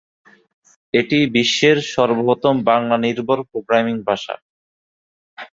এটি বিশ্বের সর্বপ্রথম বাংলা নির্ভর প্রোগ্রামিং ভাষা।